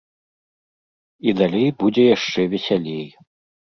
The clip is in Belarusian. І далей будзе яшчэ весялей.